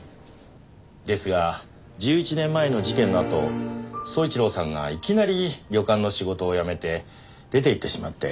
ですが１１年前の事件のあと宗一郎さんがいきなり旅館の仕事を辞めて出ていってしまって。